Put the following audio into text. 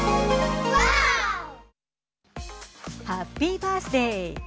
ハッピー・バースデー。